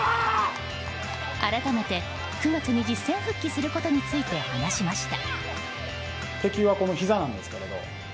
改めて９月に実戦復帰することについて話しました。